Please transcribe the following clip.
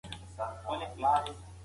اسلام فرهنګ ته ارزښت ورکوي.